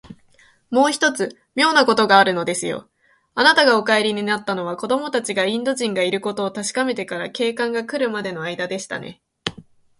もう一つ、みょうなことがあるのですよ。あなたがお帰りになったのは、子どもたちがインド人がいることをたしかめてから、警官がくるまでのあいだでしたね。